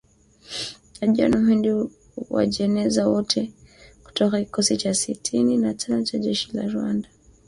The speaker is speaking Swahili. Na John Muhindi Uwajeneza wote kutoka kikosi cha sitini na tano cha jeshi la Rwanda